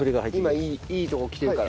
今いいとこきてるから。